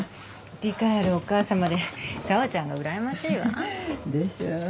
理解あるお母さまで紗和ちゃんがうらやましいわ。でしょう？